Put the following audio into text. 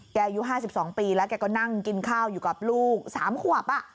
อายุ๕๒ปีแล้วแกก็นั่งกินข้าวอยู่กับลูก๓ขวบ